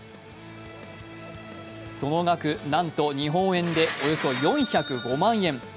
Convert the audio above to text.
その額、なんと日本円でおよそ４０５万円。